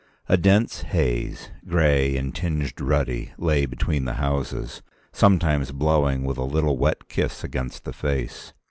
A dense haze, gray and tinged ruddy, lay between the houses, sometimes blowing with a little wet kiss against the face.